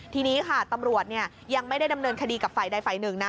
ทีนี้ค่ะตำรวจยังไม่ได้ดำเนินคดีกับฝ่ายใดฝ่ายหนึ่งนะ